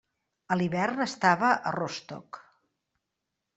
A l’hivern estava a Rostock.